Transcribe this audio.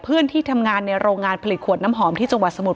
เพื่อนที่ทำงานในโรงงานผลิตขวดน้ำหอมที่จังหวัดสมุท